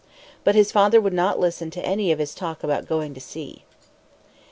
But his father would not listen to any of his talk about going to sea.